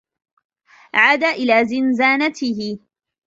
عاد إلى زنزانته.